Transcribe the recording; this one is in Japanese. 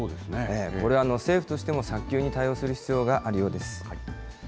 これ、政府としても早急に対応する必要があるようです。